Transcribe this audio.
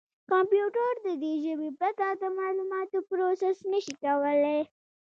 کمپیوټر د دې ژبې پرته د معلوماتو پروسس نه شي کولای.